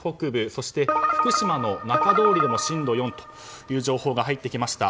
そして福島の中通りでも震度４という情報が入ってきました。